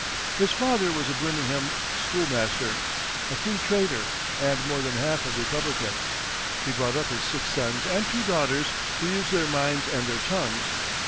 His father was a Birmingham schoolmaster, a free trader, and more than half a republican. He brought up his six sons and two daughters to use their minds and their tongues.